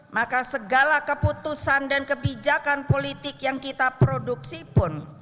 maka segala keputusan dan kebijakan politik yang kita produksi pun